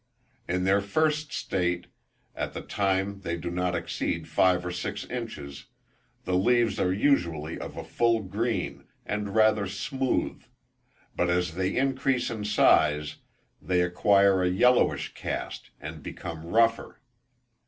In their first state, at the time they do not exceed five or six inches, the leaves are usually of a full green, and rather smooth, but as they increase in size they acquire a yellowish cast and become rougher.